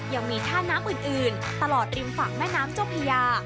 ยังมีท่าน้ำอื่นตลอดริมฝั่งแม่น้ำเจ้าพญา